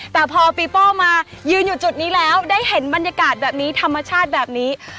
แต่พอปีโป้มายืนอยู่จุดนี้แล้วได้เห็นบรรยากาศแบบนี้ธรรมชาติแบบนี้